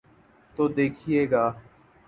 تو دیکھیے گا۔